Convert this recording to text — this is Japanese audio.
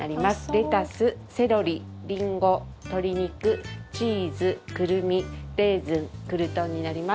レタス、セロリ、リンゴ鶏肉、チーズ、クルミレーズン、クルトンになります。